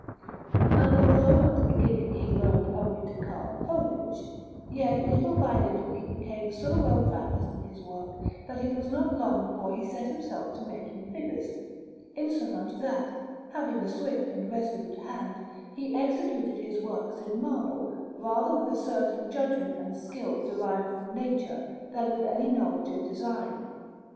And although at the beginning he learnt only to carve foliage, yet little by little he became so well practised in his work that it was not long before he set himself to making figures; insomuch that, having a swift and resolute hand, he executed his works in marble rather with a certain judgment and skill derived from nature than with any knowledge of design.